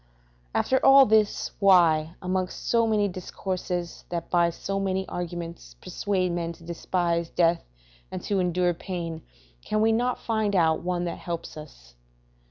After all this, why, amongst so many discourses that by so many arguments persuade men to despise death and to endure pain, can we not find out one that helps us?